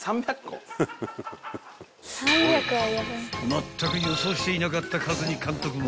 ［まったく予想していなかった数に監督も］